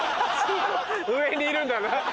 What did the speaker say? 上にいるんだな。